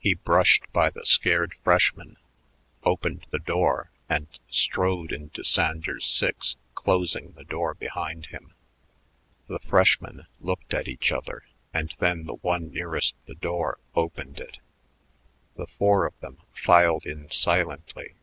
He brushed by the scared freshmen, opened the door, and strode into Sanders 6, closing the door behind him. The freshmen looked at each other, and then the one nearest the door opened it. The four of them filed in silently.